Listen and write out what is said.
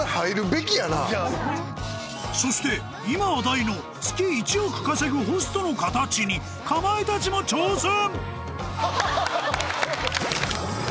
そして今話題の月１億稼ぐホストの形にかまいたちも挑戦！